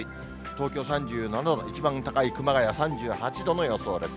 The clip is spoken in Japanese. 東京３７度、一番高い熊谷３８度の予想です。